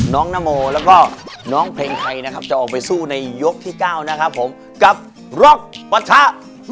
นโมแล้วก็น้องเพลงไทยนะครับจะออกไปสู้ในยกที่๙นะครับผมกับร็อกปะทะ